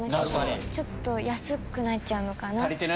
ちょっと安くなっちゃうのかな。